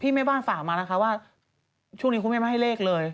แม่บ้านฝากมานะคะว่าช่วงนี้คุณแม่ไม่ให้เลขเลย